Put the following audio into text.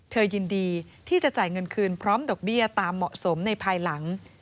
ยินดีที่จะจ่ายเงินคืนพร้อมดอกเบี้ยตามเหมาะสมในภายหลัง